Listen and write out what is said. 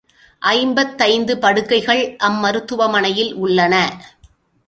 ஐம்பத்தைந்து படுக்கைகள் அம்மருத்துவ மனையில் உள்ளன.